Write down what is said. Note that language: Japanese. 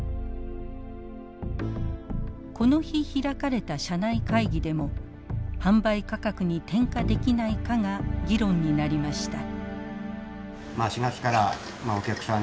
この日開かれた社内会議でも販売価格に転嫁できないかが議論になりました。